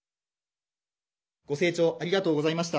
ご静聴ありがとうございました。